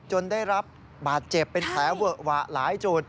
ได้รับบาดเจ็บเป็นแผลเวอะหวะหลายจุด